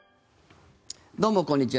どうもこんにちは。